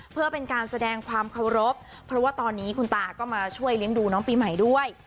เพื่อเป็นการแสดงความเคารพเพราะว่าตอนนี้คุณตาก็มาช่วยเลี้ยงดูน้องปีใหม่ด้วย